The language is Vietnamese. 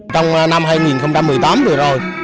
trong năm hai nghìn một mươi tám rồi rồi